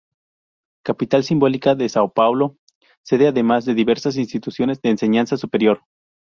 Capital simbólica de São Paulo, sede además de diversas instituciones de enseñanza superior.